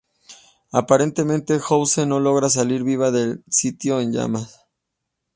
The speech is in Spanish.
Aparentemente, House no logra salir vivo del sitio en llamas.